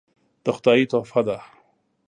دا خدایي تحفه ده .